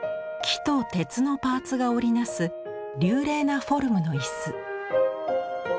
木と鉄のパーツが織り成す流麗なフォルムの椅子。